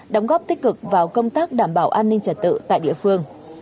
đóng góp tích cực vào công tác đảm bảo an ninh trật tự tại địa phương